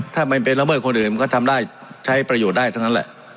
ถ้ามันเป็นละเมิดคนอื่นมันก็ทำได้ใช้ประโยชน์ได้ทั้งนั้นแหละ